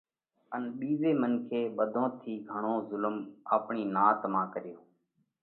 ان ٻِيزي منکي ٻڌون ٿِي گھڻو زُلم آپڻِي نات مانھ ڪريوھ،